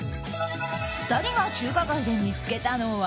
２人が中華街で見つけたのは。